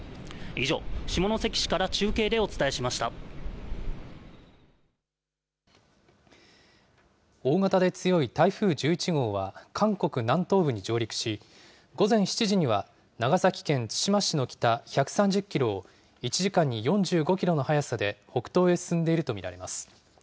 以上、下関市から中継でお伝えし大型で強い台風１１号は、韓国南東部に上陸し、午前７時には、長崎県対馬市の北１３０キロを、１時間に４５キロの速さで北東へ進んでいると見られます。